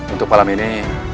untuk malam ini